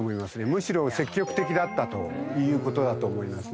むしろ積極的だったという事だと思いますね。